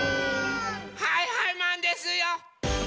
はいはいマンですよ！